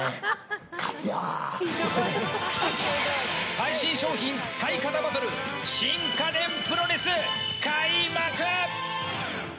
最新商品使い方バトル新家電プロレス、開幕！